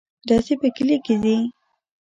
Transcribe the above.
_ډزې په کلي کې دي.